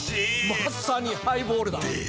まさにハイボールだでっしょ？